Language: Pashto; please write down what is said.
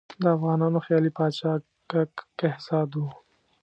د افغانانو خیالي پاچا کک کهزاد وو.